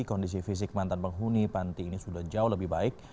kondisi fisik mantan penghuni panti ini sudah jauh lebih baik